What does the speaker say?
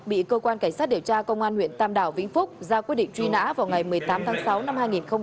bị cơ quan cảnh sát điều tra công an huyện tam đảo vĩnh phúc ra quyết định truy nã vào ngày một mươi tám tháng sáu năm hai nghìn hai mươi ba